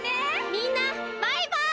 みんなバイバイ！